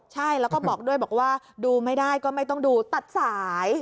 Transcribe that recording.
ใช่แล้วก็บอกด้วยบอกว่าดูไม่ได้ก็ไม่ต้องดูตัดสาย